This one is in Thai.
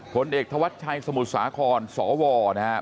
ผลเอกธวัชชัยสมุทรสาครสวนะครับ